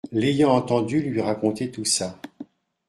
L’ayant entendu lui raconter tout ça